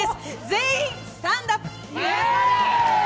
全員、スタンドアップ！